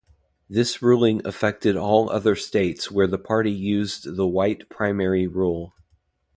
This ruling affected all other states where the party used the white primary rule.